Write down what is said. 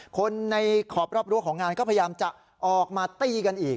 คนในขอบรอบรั้วของงานก็พยายามจะออกมาตีกันอีก